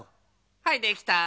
はいできた。